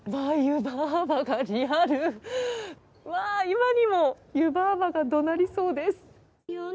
今にも湯婆婆がどなりそうです。